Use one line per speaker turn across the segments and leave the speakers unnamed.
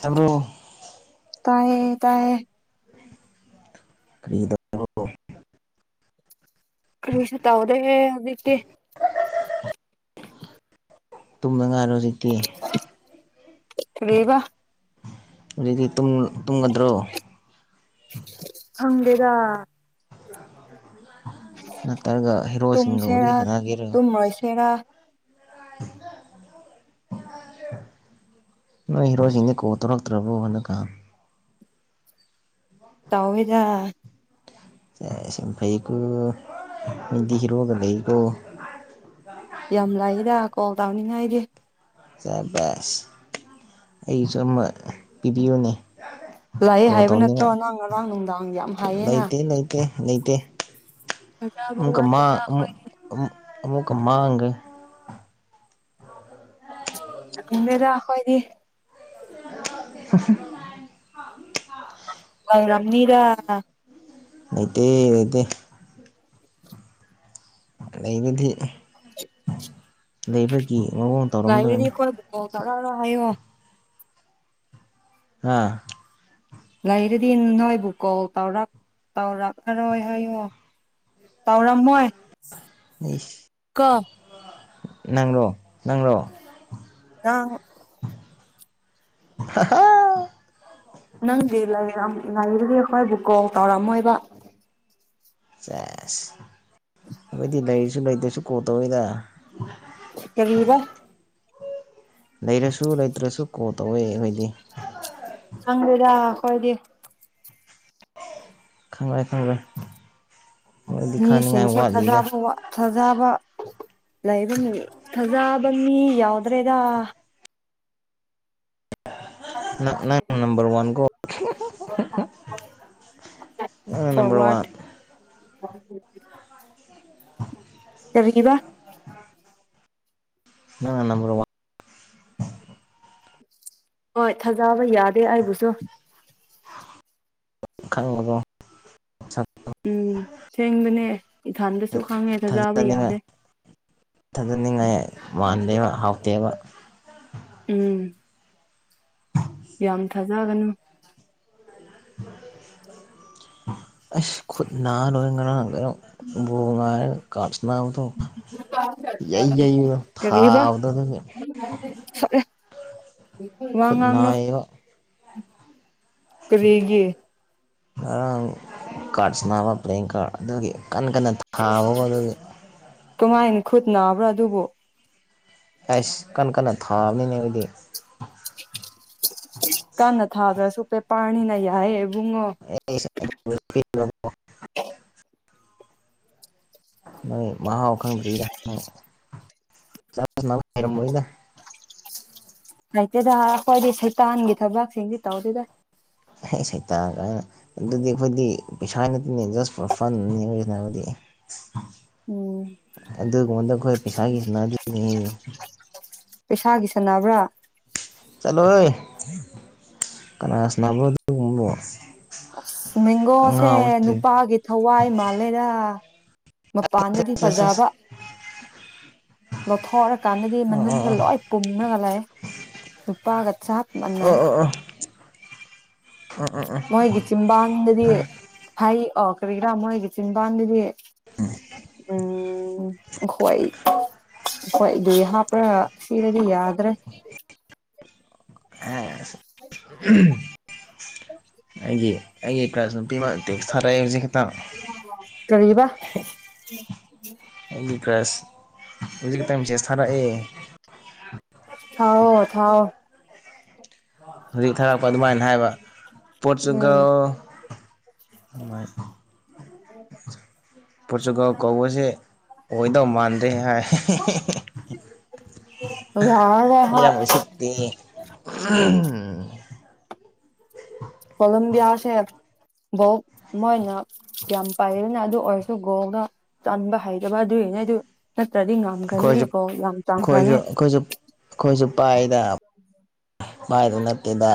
ꯊꯝꯃꯣ
ꯇꯥꯏꯌꯦ ꯇꯥꯏꯌꯦ
ꯀꯔꯤ ꯇꯧꯕ꯭ꯔꯣ
ꯀꯔꯤꯁꯨ ꯇꯥꯎꯗꯦꯍꯦ ꯍꯧꯖꯤꯛꯒꯇꯤ
ꯇꯨꯝꯗ ꯉꯥꯏꯔꯣ ꯍꯧꯖꯤꯥꯛꯇꯤ
ꯀ꯭ꯔꯤꯕ
ꯍꯧꯖꯤꯛꯇꯤ ꯇꯨꯝ ꯇꯨꯝꯒꯗ꯭ꯔꯣ
ꯈꯪꯗꯦꯗ
ꯅꯠꯇ꯭ꯔꯒ ꯍꯦꯔꯣꯁꯤꯡꯒ ꯋꯥꯔꯤ
ꯇꯨꯝꯁꯦꯔ ꯇꯨꯃꯣꯏꯁꯦꯔꯥ
ꯀ [unintelligible] ꯅꯣꯏ ꯍꯤꯔꯣꯁꯤꯡꯗꯤ ꯀꯣꯜ ꯇꯣꯔꯛꯇ꯭ꯔꯕꯣ ꯍꯟꯗꯛꯀ
ꯇꯩꯏꯗ
ꯁꯦꯁ ꯐꯩꯀꯣ ꯃꯤꯗꯤ ꯍꯦꯔꯣꯒ ꯂꯩꯩꯀꯣ
ꯌꯥꯝ ꯂꯥꯛꯏꯗ ꯀꯣꯜ ꯇꯧꯅꯤꯡꯉꯥꯏꯒꯤ
ꯁꯦꯕꯥꯁ ꯑꯩꯁꯨ ꯑꯃ ꯄꯤꯕꯤꯌꯨꯅꯦ
ꯂꯥꯛꯑꯦ
ꯀꯣꯜ
ꯍꯥꯏꯕ ꯅꯠꯇ꯭ꯔꯣ
ꯇꯧꯅꯤꯡꯉꯥꯏ
ꯅꯪ ꯉꯥꯔꯥꯡ ꯅꯨꯡꯗꯥꯡ ꯌꯥꯝ ꯍꯥꯏꯌꯦꯅ
ꯂꯩꯇꯦ ꯂꯩꯇꯦ ꯂꯩꯇꯦ
ꯊꯥꯖꯕ
ꯑꯃꯨꯛꯀ
ꯋꯥꯠꯂꯦꯗ
ꯃꯥꯛ ꯑꯃꯨꯛ
ꯑꯩꯈꯣꯏꯗꯤ
ꯑꯃꯨꯛ ꯑꯃꯨꯛꯀ ꯃꯥꯡꯒ꯭ꯔꯦ
ꯈꯪꯗꯦꯗ ꯑꯩꯈꯣꯏꯗꯤ
ꯍꯨ ꯍꯨ
ꯑꯣꯏꯔꯝꯅꯤꯗ
ꯅꯩꯇꯦ ꯅꯩꯇꯦ ꯂꯩꯅꯤꯗꯤ
[unintelligible]
ꯂꯩꯕꯒꯤ ꯃꯑꯣꯡ ꯇꯧꯔꯝꯗꯣꯏꯅꯤ
ꯇꯧꯔꯔꯣꯏ ꯍꯥꯏꯋꯣ
ꯍꯥꯥ
ꯂꯩꯔꯗꯤ ꯅꯣꯏꯕꯨ ꯀꯣꯜ ꯇꯧꯔꯛ ꯇꯧꯔꯛꯑꯔꯣꯏ ꯍꯥꯏꯌꯣ ꯇꯧꯔꯝ ꯃꯣꯏ
ꯑꯩꯁ
[unintelligible]
ꯅꯪꯔꯣ ꯅꯪꯔꯣ
ꯅꯪ
ꯍꯥꯍꯥꯑ
ꯅꯪꯗꯤ ꯂꯩꯔꯝ ꯂꯩꯔꯝꯒꯦ ꯑꯩꯈꯣꯏꯕꯨ ꯀꯣꯜ ꯇꯧꯔꯝꯃꯣꯏꯕ
ꯖꯁ ꯑꯩꯈꯣꯏꯗꯤ ꯂꯩꯁꯨ ꯂꯩꯇꯁꯨ ꯀꯣꯠ ꯇꯩꯋꯦꯗ
ꯀꯔꯤꯕ
ꯂꯩꯔꯁꯨ ꯂꯩꯇ꯭ꯔꯁꯨ ꯀꯣꯜ ꯇꯧꯋꯦ ꯑꯩꯈꯣꯏꯗꯤ
ꯈꯪꯗꯦꯗ ꯑꯩꯈꯣꯢꯗꯤ
ꯈꯪꯔꯣꯢꯏ ꯈꯪꯔꯣꯢ
ꯃꯤꯁꯤꯡꯁꯦ ꯊꯖꯕ ꯋꯥ ꯊꯖꯕ ꯂꯩꯕꯅꯤ ꯊꯖꯕ ꯃꯤ ꯌꯥꯎꯗ꯭ꯔꯦꯗ
ꯅꯪ ꯅꯪꯅ ꯅꯝꯕꯔ ꯋꯥꯟꯀꯣ
[unintelligible]
ꯅꯪꯅ ꯅꯝꯕꯔ ꯋꯥꯟ
[inaudible] ꯀꯔꯤꯒꯤꯕ
ꯅꯪꯅ ꯅꯝꯕꯔ ꯋꯥꯟ
ꯍꯣꯏ ꯊꯥꯖꯕ ꯌꯥꯗꯦ ꯑꯩꯕꯨꯁꯨ
ꯈꯪꯒꯅꯣ
ꯎꯝ ꯁꯦꯡꯕꯅꯦ ꯏꯊꯟꯗꯁꯨ ꯈꯪꯉꯦ ꯊꯖꯕ
ꯊꯥꯖꯅꯤꯡꯉꯥꯏ
ꯌꯥꯗꯦ
ꯊꯥꯖꯅꯤꯡꯉꯥꯏ ꯃꯥꯟꯗꯦꯕ ꯍꯥꯎꯇꯦꯕ
[inaudible] ꯎꯝ ꯌꯥꯝ ꯊꯥꯖꯒꯅꯨ
[inaudible] ꯑꯁ ꯈꯨꯠ ꯅ ꯂꯣꯏ ꯉꯥꯔꯥꯡ ꯀꯩꯅꯣ ꯕꯨ ꯉꯥꯏꯔꯒ ꯀꯥꯥꯞ ꯁꯅꯥꯕꯗꯣ ꯌꯩ ꯌꯩꯔ
ꯀꯔꯤꯕ
ꯊꯥꯕꯗꯣ ꯑꯗꯨꯒꯤ
ꯁꯣꯛꯑꯦ ꯋꯥ
ꯈꯨꯠ
ꯉꯥꯡꯅꯨ
ꯅꯥꯏꯌꯦꯕ
ꯀꯔꯤꯒꯤ
ꯉꯔꯥꯡ ꯀꯥꯠꯁ ꯁꯥꯟꯅꯕ ꯄ꯭ꯂꯦꯌꯤꯡ ꯀꯥꯠ ꯑꯗꯨꯒꯤ ꯀꯟ ꯀꯟꯅ ꯊꯥꯕꯀꯣ ꯑꯗꯨꯒꯤ
ꯀꯃꯥꯏꯅ ꯈꯨꯠ ꯅꯥꯕ꯭ꯔ ꯑꯗꯨꯕꯨ
ꯑꯁ ꯀꯟ ꯀꯟꯅ ꯊꯥꯕꯅꯤꯅꯦ ꯑꯩꯈꯣꯢꯗꯤ
ꯀꯟꯅ ꯊꯥꯗ꯭ꯔꯁꯨꯨ ꯄꯦꯄ꯭ꯔꯅꯤꯅ ꯌꯥꯏꯌꯦ ꯏꯕꯨꯡꯉꯣ
ꯑꯩꯁ [unintelligible] ꯃꯣꯏ ꯃꯍꯥꯎ ꯈꯪꯗ꯭ꯔꯤꯗ ꯆꯠ ꯁꯥꯟꯅꯕ ꯍꯩꯔꯝꯃꯣꯢꯗ
ꯂꯩꯇꯦꯗ ꯑꯩꯈꯣꯏꯗꯤ ꯁꯩꯇꯥꯟꯒꯤ ꯊꯕꯛꯁꯤꯡꯁꯤ ꯇꯧꯗꯦꯗ
ꯑꯩ ꯁꯩꯇꯥꯟ ꯀꯥꯢꯅ ꯑꯗꯨꯗꯤ ꯑꯩꯈꯣꯏꯗꯤ ꯄꯩꯁꯥ ꯅꯠꯇꯦꯅꯦ ꯖꯁ ꯐꯣꯔ ꯐꯟꯅꯤ ꯁꯥꯅꯕꯗꯤ [inaudible]
ꯎꯝ
ꯑꯗꯨꯒꯨꯝꯕꯗꯨ ꯑꯩꯈꯣꯏ ꯄꯩꯁꯥꯒꯤ ꯁꯟꯅꯥꯗꯤꯅꯦꯍꯦ
ꯄꯩꯁꯥꯒꯤ ꯁꯟꯅꯕ꯭ꯔ
ꯆꯠꯂꯣꯍꯦ ꯀꯅꯥ ꯁꯅꯕ꯭ꯔꯣ ꯑꯗꯨꯒꯨꯝꯕꯕꯣ
ꯃꯦꯡꯒꯣꯁꯦ ꯅꯨꯄꯥꯒꯤ ꯊꯋꯥꯏ ꯃꯥꯜꯂꯦꯗ ꯃꯄꯥꯟꯗꯗꯤ
ꯑꯁ ꯑꯁ
ꯐꯖꯕ ꯂꯧꯊꯣꯛꯔꯀꯥꯟꯗꯗꯤ
ꯑꯣ ꯑꯣ ꯑꯣ
ꯃꯅꯨꯡꯗ ꯂꯣꯏ ꯄꯨꯝꯔꯒ ꯂꯩ ꯅꯨꯄꯥꯒ ꯆꯞ
ꯑꯣ ꯑꯣ
ꯃꯥꯟꯅꯩ
ꯑꯣ ꯑꯣ ꯑꯣ
ꯃꯣꯏꯒꯤ ꯆꯤꯝꯕꯥꯟꯗꯗꯤ ꯐꯩ ꯑꯣ ꯀꯔꯤꯔ ꯃꯣꯢꯒꯤ ꯆꯤꯟꯕꯥꯟꯗꯗꯤ ꯎꯝ ꯍꯣꯏ ꯈꯣꯏꯗꯤ ꯍꯥꯞꯄ꯭ꯔ ꯁꯤꯗꯗꯤ ꯌꯥꯗ꯭ꯔꯦ
[inaudible] ꯑꯣ [inaudible] ꯑꯩꯒꯤ ꯑꯩꯒꯤ ꯀ꯭ꯔꯁ ꯅꯨꯄꯤ ꯑꯃ ꯇꯦꯛꯁ ꯊꯥꯔꯛꯑꯦ ꯍꯧꯖꯤꯛ ꯈꯤꯇꯪ
ꯀꯔꯤꯕ [inaudible]
ꯍꯧꯖꯤꯛꯇ ꯃꯦꯁꯦꯁ ꯊꯥꯔꯛꯑꯦ
ꯊꯥꯎꯋꯣ ꯊꯥꯎꯋꯣ
ꯍꯧꯖꯤꯛ ꯊꯥꯔꯛꯄ ꯑꯗꯨꯃꯥꯏꯅ ꯍꯥꯏꯕ
[inaudible] ꯎꯝ
ꯃꯥꯏ [inaudible] ꯄꯣꯔꯆꯨꯒꯜ ꯀꯧꯕꯁꯦ ꯑꯣꯏꯗꯧ ꯃꯥꯟꯗ꯭ꯔꯦ ꯍꯥꯏ [inaudible] [inaudible]
ꯌꯥꯔꯔꯣꯏ ꯍꯣꯏ
ꯃꯤꯌꯥꯝ ꯎꯁꯤꯠꯇꯦ [inaudible]
ꯀꯣꯂꯝꯗꯤꯌꯥꯁꯦ ꯕꯧ ꯃꯣꯏꯅ ꯌꯥꯝ ꯄꯥꯏꯅ ꯑꯗꯨ ꯑꯣꯏꯔꯁꯨ ꯒꯣꯜ ꯆꯟꯕ ꯍꯩꯇꯕ ꯗꯨꯏ ꯅꯦ ꯑꯗꯨ ꯅꯠꯇ꯭ꯔꯗꯤ ꯉꯝꯈ꯭ꯔꯅꯤ ꯒꯣꯜ ꯌꯥꯝ ꯆꯟꯈ꯭ꯔꯅꯤ
ꯑꯩꯈꯣꯏꯁꯨ ꯑꯩꯈꯣꯏꯁꯨ ꯑꯩꯈꯣꯏꯁꯨ ꯄꯥꯏꯗ ꯄꯥꯏꯕ ꯅꯠꯇꯦꯗ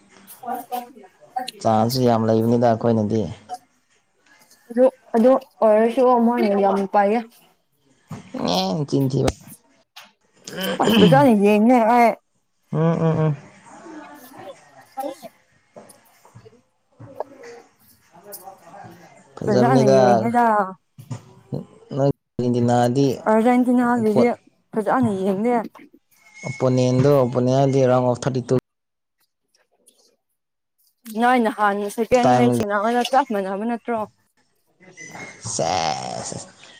[unintelligible]
ꯆꯥꯟꯁꯁꯨ ꯌꯥꯝ ꯂꯩꯕꯅꯤꯅ ꯑꯩꯈꯣꯏꯅꯗꯤ
ꯑꯗꯨ ꯑꯗꯨ ꯑꯣꯏꯔꯁꯨ ꯃꯣꯏꯅ ꯌꯥꯝ ꯄꯥꯏꯌꯦ
ꯑꯦ ꯆꯤꯟ ꯊꯤꯕ
[unintelligible]
ꯎꯝ ꯎꯝ ꯎꯝ
[unintelligible]
[inaudible]
ꯐꯖꯅ
ꯐꯖꯕꯅꯤꯗ
ꯌꯦꯡꯉꯦꯗ
ꯅꯪ ꯗꯤ ꯏꯤꯟꯗꯤꯅꯥꯗꯤ
ꯑꯥꯔꯖꯦꯟꯇꯤꯅꯥꯒꯤꯗꯤ
ꯄꯣꯠ
ꯐꯖꯅ ꯌꯦꯡꯗꯦ
ꯑꯣꯄꯣꯅꯦꯟꯗꯣ ꯑꯣꯄꯣꯅꯦꯟ ꯍꯥꯏꯗꯤ ꯔꯥꯎꯟ ꯑꯣꯐ ꯊꯥꯔꯇꯤ ꯇꯨ
ꯅꯣꯏ ꯅꯍꯥꯟꯅ ꯁꯦꯀꯦꯟ ꯃꯦꯆ꯭ꯁ
ꯇꯥꯏꯝꯒꯤ
ꯑꯣꯏꯅ ꯆꯞ ꯃꯅꯕ ꯅꯠꯇ꯭ꯔꯣ
ꯑꯁ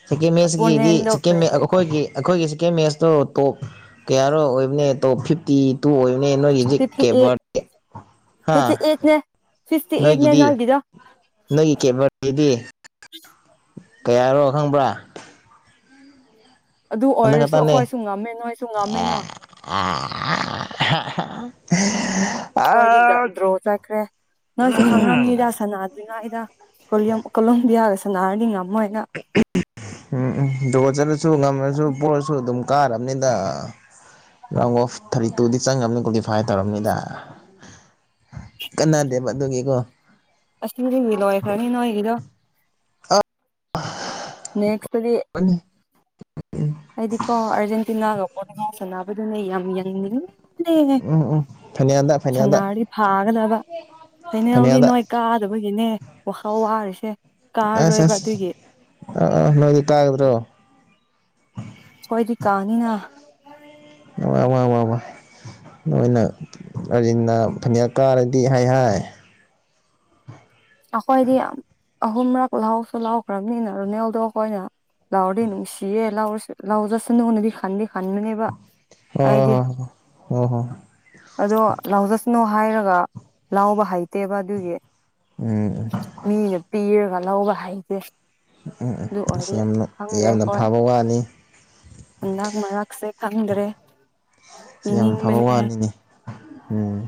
ꯁꯦꯀꯦꯟ ꯃꯦꯆ꯭ꯁ ꯀꯤꯗꯤ
ꯑꯣꯄꯣꯅꯦꯟꯗꯣ
ꯁꯦꯀꯦꯟ ꯃꯦ
ꯀꯔꯤ
ꯑꯩꯈꯣꯏꯒꯤ ꯑꯩꯈꯣꯏꯒꯤ ꯁꯦꯀꯦꯟ ꯃꯦꯆ꯭ꯁꯇꯣ ꯇꯣꯞ ꯀꯌꯥꯔꯣ ꯑꯣꯏꯕꯅꯦ ꯇꯣꯞ ꯐꯤꯞꯇꯤ ꯇꯨ ꯑꯣꯏꯕꯅꯦ ꯅꯣꯏꯒꯤꯗ
ꯐꯤꯐꯇꯤ ꯑꯩꯠ
ꯀꯦꯕ꯭ꯔꯇꯦ ꯍꯥꯥ
ꯐꯤꯐꯇꯤ ꯑꯩꯠꯅꯦ ꯐꯤꯐꯇꯤ ꯑꯩꯠꯅꯦ
ꯅꯣꯏꯒꯤꯗꯤ
ꯅꯣꯏꯒꯤꯗꯣ
ꯅꯣꯏꯒꯤ ꯀꯦꯕ꯭ꯔꯇꯤꯗꯤ ꯀꯌꯥꯔꯣ ꯈꯪꯕ꯭ꯔꯥ
ꯑꯗꯨ
ꯑꯃ
ꯑꯣꯏꯔꯁꯨ
ꯈꯠꯡꯅꯦ
ꯑꯩꯈꯣꯏꯁꯨ ꯉꯝꯃꯦ ꯅꯣꯏꯁꯨ
ꯑ
ꯉꯝꯃꯦꯅ
ꯑ ꯑ ꯑ ꯍ ꯍ [unintelligible]
ꯅꯣꯏꯗꯤ ꯗ ꯗ꯭ꯔꯣ ꯆꯠꯈ꯭ꯔꯦ ꯅꯣꯏꯁꯨ ꯈꯪꯉꯝꯅꯤꯗ ꯁꯅꯥꯗ꯭ꯔꯤꯉꯩ ꯀꯣꯂꯤꯌꯝ ꯀꯣꯂꯣꯕꯤꯌꯥꯒ ꯁꯅꯔꯗꯤ ꯉꯝꯃꯣꯏꯅ
ꯎꯝ ꯎꯝ ꯗ꯭ꯔꯣ ꯆꯠꯂꯁꯨ ꯉꯝꯃꯁꯨ ꯄꯣꯔꯁꯨ ꯑꯗꯨꯝ ꯀꯥꯔꯅꯤꯗ ꯔꯥꯎꯟ ꯑꯣꯐ ꯊꯥꯔꯇꯤ ꯇꯨꯗꯤ ꯆꯪꯉꯕꯅꯤ ꯀ꯭ꯋꯥꯂꯤꯐꯥꯏ ꯇꯧꯔꯕꯝꯅꯤꯗ ꯀꯅꯥꯗꯦꯕ ꯑꯗꯨꯒꯤꯀꯣ
ꯑꯁ ꯇꯨꯗꯤ ꯂꯣꯢꯈ꯭ꯔꯅꯤ ꯅꯣꯏꯒꯤꯗꯣ ꯅꯦꯛꯁꯇꯒꯤ
ꯎꯝ
ꯑꯩꯗꯤꯀꯣ ꯑꯔꯖꯦꯟꯇꯤꯅꯥꯒ ꯄꯣꯔꯇꯨꯒꯜ ꯁꯥꯟꯅꯕꯗꯨꯅꯦ ꯌꯥꯝ ꯌꯦꯡꯅꯤꯡꯉꯤ
ꯎꯝ ꯎꯝ ꯐꯥꯏꯅꯦꯜꯗ ꯐꯥꯏꯅꯦꯜꯗ
ꯁꯅꯥꯔꯤ ꯐꯥꯒꯗꯕ ꯐꯥꯏꯅꯦꯜꯗꯤ
ꯐꯥꯏꯅꯦꯜꯗ
ꯅꯣꯏ ꯀꯥꯗꯕꯒꯤꯅꯦ ꯋꯥꯥꯈꯜ ꯋꯥꯔꯦ
ꯑꯁ ꯑꯁ ꯑꯥ ꯑꯥ ꯅꯣꯏꯗꯤ ꯀꯥꯒꯗꯕꯗꯣ
ꯈꯣꯏꯗꯤ ꯀꯥꯅꯤꯅ
ꯋꯥ ꯋꯥ ꯋꯥ ꯋꯥ ꯅꯣꯏꯅ ꯑꯥꯔꯖꯤꯟꯗꯤꯅ ꯐꯅꯥꯟ ꯀꯥꯔꯗꯤ ꯍꯥꯏ ꯍꯥꯏ
ꯑꯩꯈꯣꯏꯗꯤ ꯑꯍꯨꯝꯔꯛ ꯂꯧꯁꯨ ꯂꯧꯈ꯭ꯔꯕꯅꯤꯅ ꯔꯣꯅꯥꯜꯗꯣ ꯈꯣꯏꯅ ꯂꯥꯎꯗꯤ ꯅꯨꯡꯁꯤꯌꯦ ꯂꯥꯎꯔꯁꯨ ꯂꯥꯎꯖꯁꯅꯨꯅ ꯈꯟꯗꯤ ꯈꯟꯕꯅꯦꯕ
ꯍꯣ
ꯑꯩꯗꯤ
ꯍꯣ ꯍꯣ ꯍꯣꯏ ꯍꯣꯏ
ꯑꯗꯣ ꯂꯥꯎꯖꯁꯅꯣ ꯍꯥꯏꯔꯒ ꯂꯥꯎꯕ ꯍꯩꯇꯦꯕ ꯑꯗꯨꯒꯤ
ꯎꯝ
ꯃꯤꯅ ꯄꯤꯔꯒ ꯂꯧꯕ ꯍꯩꯇꯦ
ꯎꯝ ꯎꯝ
ꯑꯗꯨ
ꯑꯁ
ꯑꯣꯏꯔꯗꯤ
ꯌꯥꯝꯅ
ꯈꯪꯗꯦ
ꯌꯥꯝꯅ
ꯍꯣꯏ
ꯐꯕ ꯋꯥꯅꯤ
ꯍꯟꯗꯛ ꯃꯔꯛꯁꯦ ꯈꯗ꯭ꯔꯦ
ꯁꯤ ꯌꯥꯝ ꯐꯕ ꯋꯥꯅꯤꯅꯦ ꯎꯝ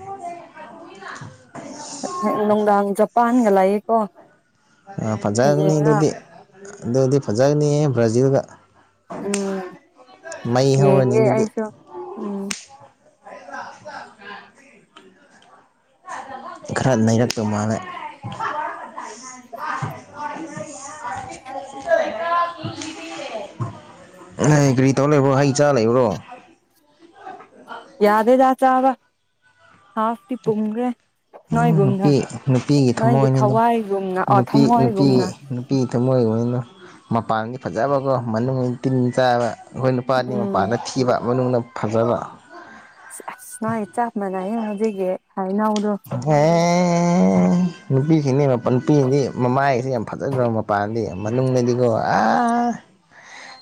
ꯑꯗꯨꯅ ꯅꯨꯡꯗꯥꯡ ꯖꯥꯄꯥꯟꯥꯒ ꯂꯩꯑꯦꯀꯣ
ꯑ ꯐꯖꯒꯅꯤ ꯑꯗꯨꯗꯤ ꯑꯗꯨꯗꯤ ꯐꯖꯒꯅꯤ ꯍꯦ ꯕ꯭ꯔꯥꯖꯤꯜꯒ
ꯎꯝ
ꯃꯩ ꯍꯧꯔꯅꯤ
ꯌꯦꯡꯒꯦ
ꯑꯗꯨꯗꯤ
ꯑꯩꯁꯨ ꯎꯝ
[unintelligible] ꯈꯔ ꯅꯩꯔꯛꯇꯧ ꯃꯥꯜꯂꯦ [unintelligible] ꯑꯦꯍꯩ ꯀꯔꯤ ꯇꯧꯔ ꯂꯩꯕ꯭ꯔꯣ ꯍꯩ ꯆꯥꯔ ꯂꯩꯕ꯭ꯔꯣ
ꯌꯥꯗꯦꯗ ꯆꯥꯔꯣꯢ ꯍꯥꯎꯇꯦ ꯄꯨꯝꯒ꯭ꯔꯦ
ꯎꯝ ꯅꯨꯄꯤ ꯅꯨꯄꯤꯒꯤ ꯊꯃꯣꯏꯅꯤꯗꯣ
ꯊꯋꯥꯏꯒꯨꯝꯅ ꯑ
ꯅꯨꯄꯤ ꯅꯨꯄꯤꯒꯤ
ꯊꯃꯣꯏꯒꯨꯝꯅ
ꯅꯨꯄꯤꯒꯤ ꯊꯝꯃꯣꯏ ꯑꯣꯏꯌꯨꯅꯣ ꯃꯄꯥꯟꯒꯤ ꯐꯖꯕꯀꯣ ꯃꯅꯨꯡ ꯇꯤꯟ ꯆꯥꯕ ꯑꯩꯈꯣꯏ ꯅꯨꯄꯥꯅꯤ
ꯎꯝ
ꯃꯄꯥꯟꯗ ꯊꯤꯕ ꯃꯅꯨꯡꯅ ꯐꯖꯕ
ꯑꯁ ꯅꯣꯏ ꯆꯞ ꯃꯥꯟꯅꯩꯌꯦ ꯍꯧꯖꯤꯛꯀꯤ ꯍꯩꯅꯧꯗꯣ
ꯥꯍꯦ ꯅꯨꯄꯤꯁꯤꯡꯅꯦ ꯃꯄꯟ ꯅꯨꯄꯤꯗꯤ ꯃꯃꯥꯏꯁꯤ ꯌꯥꯝ ꯐꯖꯈ꯭ꯔꯕ ꯃꯄꯥꯥꯟꯗꯤ ꯃꯅꯨꯡꯗꯗꯤꯀꯣ ꯑꯥ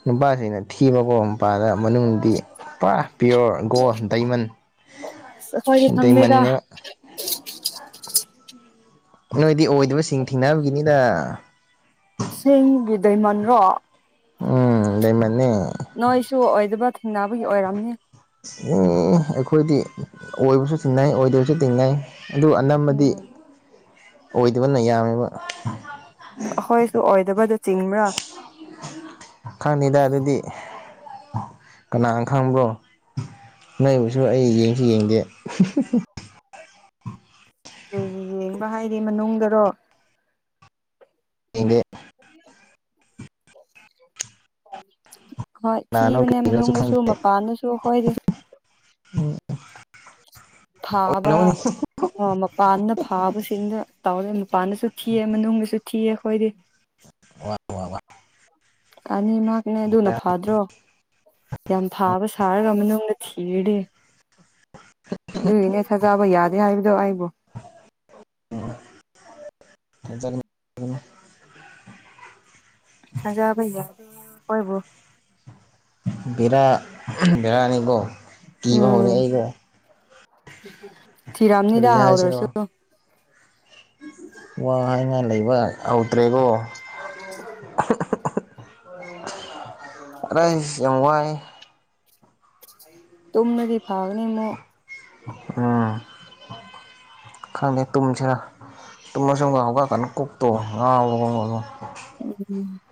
ꯅꯨꯄꯥꯁꯤꯅ ꯊꯤꯕꯀꯣ ꯃꯄꯥꯟꯗ ꯃꯅꯨꯡꯗꯤ ꯄꯨꯔꯥ ꯄ꯭ꯌꯣꯔ ꯒꯣꯜ ꯗꯥꯏꯃꯟ
ꯑꯩꯈꯣꯏꯁꯨ ꯈꯪꯂꯦꯗ
ꯗꯥꯏꯃꯟꯅꯦꯕ ꯅꯣꯏꯗꯤ ꯑꯣꯏꯗꯕꯁꯤꯡ ꯊꯦꯡꯅꯕꯒꯤꯅꯤꯗ
ꯗꯥꯏꯃꯟ ꯔꯣ
ꯎꯝ ꯗꯥꯏꯃꯟꯅꯦ
ꯅꯣꯏꯁꯨ ꯑꯣꯏꯗꯕ ꯊꯦꯡꯅꯕꯒꯤ ꯑꯣꯏꯔꯝꯅꯤ
ꯏ ꯑꯩꯈꯣꯏꯗꯤ ꯑꯣꯏꯕꯁꯨ ꯇꯤꯟꯅꯩ ꯑꯣꯏꯗꯕꯁꯨ ꯇꯤꯟꯅꯩ ꯑꯗꯨ ꯑꯅꯝꯕꯗꯤ
ꯎꯝ
ꯑꯣꯏꯗꯕꯅ ꯌꯥꯝꯃꯦꯕ
ꯑꯩꯈꯣꯏꯁꯨ ꯑꯣꯏꯗꯕꯗ ꯆꯤꯡꯕ꯭ꯔ
ꯈꯪꯗꯦꯗ ꯑꯗꯨꯗꯤ ꯀꯅꯥꯅ ꯈꯪꯕ꯭ꯔꯣ ꯅꯣꯏꯕꯨꯁꯨ ꯑꯩ ꯌꯦꯡꯁꯨ ꯌꯦꯡꯗꯦ [inaudible]
ꯎꯝ ꯌꯦꯡꯕ ꯍꯥꯏꯗꯤ ꯃꯅꯨꯡꯗꯔꯣ
ꯌꯦꯡꯗꯦ
[inaudible] ꯍꯣꯏ
ꯀꯅꯥꯅꯣ
ꯊꯤꯕꯅꯦ
ꯀꯔꯤꯅꯣꯁꯨ
ꯃꯅꯨꯡꯗꯁꯨ
ꯈꯪꯗꯦ
ꯃꯄꯥꯟꯗꯁꯨ ꯑꯩꯈꯣꯏꯗꯤ
[inaudible]
ꯐꯥꯕ
ꯑꯣꯏꯔꯝꯒꯅꯤ
ꯃ ꯃꯄꯥꯟꯗ ꯐꯥꯕꯁꯤꯡꯅ ꯇꯧꯔꯦ ꯅꯨꯄꯥꯅꯁꯨ ꯊꯤꯌꯦ ꯃꯅꯨꯡꯗꯁꯨ ꯊꯤꯌꯦ ꯑꯩꯈꯣꯏꯗꯤ
ꯋꯥ ꯋꯥꯋꯥ
ꯑꯅꯤ ꯃꯛꯅꯦ ꯑꯗꯨꯅ ꯐꯥꯗ꯭ꯔꯣ ꯌꯥꯝ ꯐꯥꯕ ꯁꯥꯥꯔꯒ ꯃꯅꯨꯡꯗ ꯊꯤꯔꯗꯤ ꯑꯗꯨꯏꯒꯤꯅꯦ ꯊꯥꯖꯕ ꯌꯥꯗꯦ ꯍꯥꯏꯕꯗꯣ ꯑꯩꯕꯨ
ꯍꯦꯟꯖꯟ
ꯊꯥꯖꯕ ꯌꯥ ꯑꯩꯈꯣꯏꯕꯨ
ꯕꯦꯔꯥ ꯕꯦꯔꯥꯅꯤꯀꯣ ꯀꯤꯕ ꯍꯧꯔꯦ
ꯎꯝ
ꯑꯩꯒꯣ
ꯊꯤꯔꯝꯅꯤꯗ ꯍꯧꯗ꯭ꯔꯁꯨ
ꯍꯥꯏꯁꯤꯔꯣ ꯋꯥ ꯍꯥꯏꯅꯤꯡꯉꯥꯏ ꯂꯩꯕ ꯍꯧꯗ꯭ꯔꯦꯀꯣ [inaudible] ꯑꯩꯁ ꯌꯥꯝ ꯋꯥꯏ
ꯇꯨꯝꯔꯗꯤ ꯐꯒꯅꯤ ꯑꯃꯨꯛ
ꯎꯝ ꯈꯪꯗꯦ ꯇꯨꯝꯁꯤꯔꯥ ꯇꯨꯝꯃꯁꯨ ꯉꯟ ꯍꯧꯒꯠꯂꯀꯥꯟ ꯀꯣꯛꯇꯣ ꯉꯥꯎꯔꯦ ꯉꯣ ꯉꯣ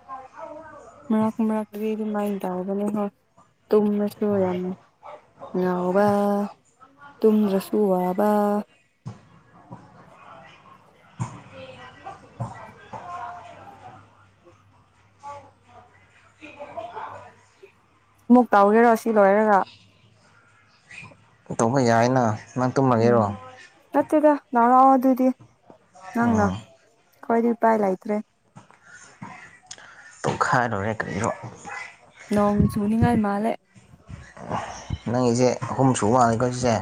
[inaudible] ꯃꯔꯛ ꯃꯔꯛꯇꯗꯤ ꯑꯗꯨꯃꯥꯏꯟ ꯇꯥꯕꯅꯤꯀꯣ ꯇꯨꯝꯃꯁꯨ ꯌꯥꯝꯅ ꯉꯥꯎꯕ ꯇꯨꯝꯗ꯭ꯔꯁꯨꯨ ꯋꯥꯕ ꯑꯃꯨꯛ ꯇꯧꯔꯤꯔꯣ ꯁꯤ ꯂꯣꯏꯔꯒ
ꯇꯧꯕ ꯌꯥꯏꯅ ꯅꯪ
ꯎꯝ
ꯇꯨꯝꯃꯒꯦꯔꯣ
ꯅꯠꯇꯦꯗ ꯅꯅꯥꯎ ꯑꯗꯨꯗꯤ
ꯑ
ꯈꯣꯏꯗꯤ ꯎꯄꯥꯏ ꯂꯩꯇ꯭ꯔꯦ
ꯈꯥꯏꯔ ꯂꯣꯏꯔꯦ ꯀꯩꯅꯣ
ꯅꯣꯡ ꯆꯨꯅꯤ ꯉꯥꯏ ꯃꯥꯂꯦ
ꯅꯪꯒꯤꯁꯦ ꯑꯍꯨꯝ ꯁꯨ ꯃꯥꯂꯦꯀꯣ ꯁꯤꯁꯦ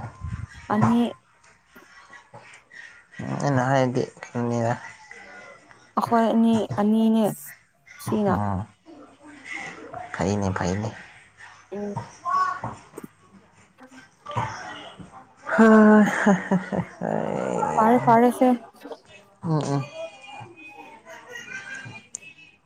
ꯑꯅꯤ
ꯑꯩꯅ ꯍꯥꯏꯗꯤ ꯈꯪꯉꯦꯔ
ꯑꯈꯣꯏ ꯑꯅꯤ ꯑꯅꯤꯅꯦ ꯁꯤꯅ
ꯎꯝ ꯐꯩꯅꯦ ꯐꯩꯅꯦ
ꯎꯝ [inaudible]
[inaudible]
ꯐꯥꯔꯦ ꯐꯥꯔꯦꯁꯦ
ꯎꯝ ꯎꯝ
[inaudible]